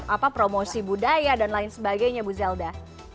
apa promosi budaya dan lain sebagainya bu zelda